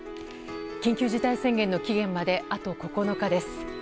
緊急事態宣言の期限まであと９日です。